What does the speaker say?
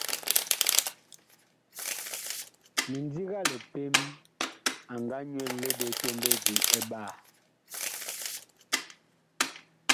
Mindiga lipem, a nga nyuele ɓe a tɔmbedi ɓaa.